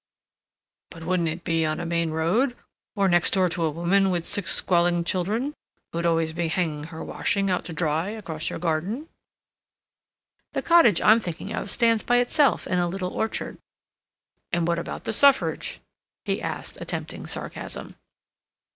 "But wouldn't it be on the main road, or next door to a woman with six squalling children, who'd always be hanging her washing out to dry across your garden?" "The cottage I'm thinking of stands by itself in a little orchard." "And what about the Suffrage?" he asked, attempting sarcasm.